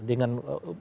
dengan wakilnya sendiri